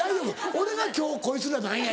俺が今日こいつら何や？